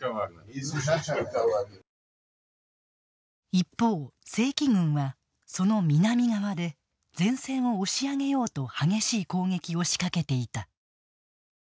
一方、正規軍はその南側で前線を押し上げようと激しい攻撃を仕掛けていた。